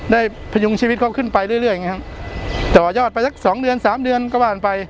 ได้พยุงชีวิตเขาขึ้นไปเรื่อยเรื่อยอย่างงี้ครับแต่ว่ายอดไปสักสองเดือนสามเดือนก็ว่าอันไป